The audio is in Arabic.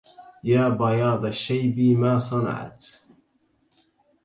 يا بياضَ الشيب ما صنعت